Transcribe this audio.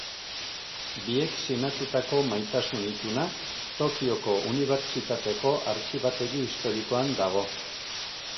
Biek sinatutako maitasun ituna, Tokioko Unibertsitateko Artxibategi Historikoan dago.